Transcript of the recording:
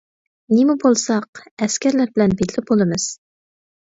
نېمە بولساق، ئەسكەرلەر بىلەن بىللە بولىمىز.